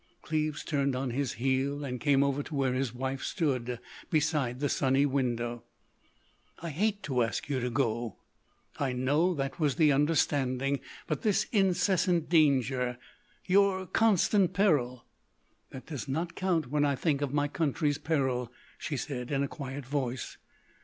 Cleves turned on his heel and came over to where his wife stood beside the sunny window. "I hate to ask you to go. I know that was the understanding. But this incessant danger—your constant peril——" "That does not count when I think of my country's peril," she said in a quiet voice.